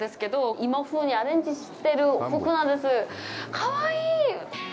かわいい！